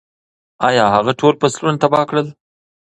ایا هغه ټول فصلونه تباه کړل؟